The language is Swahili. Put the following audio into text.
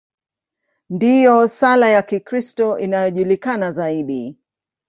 Ndiyo sala ya Kikristo inayojulikana zaidi.